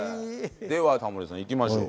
ではタモリさんいきましょう。